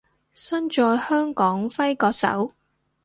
身在香港揮個手